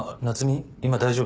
今大丈夫？